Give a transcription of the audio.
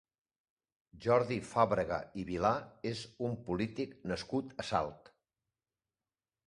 Jordi Fàbrega i Vilà és un polític nascut a Salt.